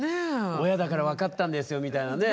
親だから分かったんですよみたいなね